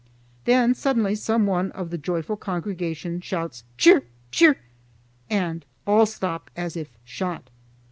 Then suddenly some one of the joyful congregation shouts Chirr! Chirr! and all stop as if shot.